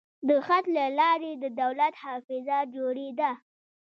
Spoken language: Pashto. د خط له لارې د دولت حافظه جوړېده.